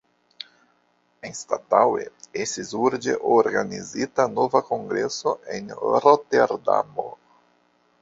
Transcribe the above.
Anstataŭe estis urĝe organizita nova kongreso en Roterdamo.